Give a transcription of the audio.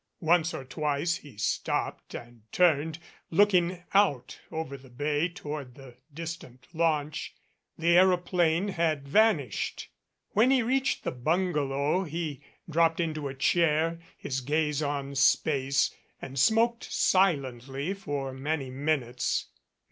Once or twice he stopped and turned, looking out over the bay toward the distant launch. The aeroplane had vanished. When he reached the bungalow he dropped into a chair, his gaze on space, and smoked silently for many minutes.